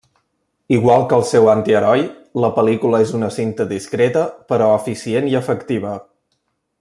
Igual que el seu antiheroi, la pel·lícula és una cinta discreta però eficient i efectiva.